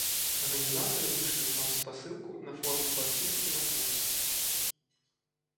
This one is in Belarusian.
Арганізатары вышлюць вам спасылку на форму падпіскі на курс.